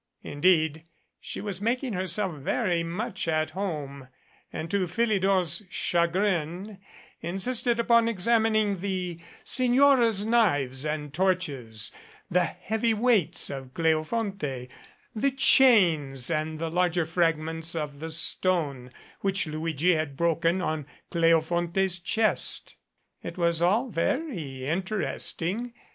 Indeed, she was making herself very much at home, and to Philidor's chagrin insisted upon examining the Signora's knives and torches, the heavy weights of Cleofonte, the chains and the larger fragments of the stone which Luigi had broken on Cleofonte's chest. It was all very interesting.